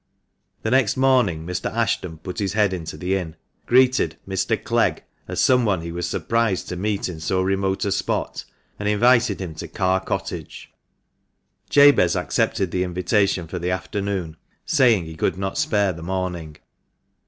The next morning Mr. Ashton put his head into the inn, greeted " Mr. Clegg " as some one he was surprised to meet in so remote a spot, and invited him to Carr Cottage. Jabez accepted the invitation for the afternoon, saying he could not spare the morning.